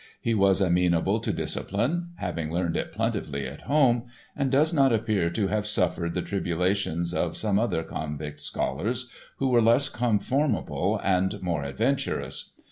He was amenable to discipline—having learned it plentifully at home—and does not appear to have suffered the tribulations of some other Konvikt scholars who were less conformable and more adventurous.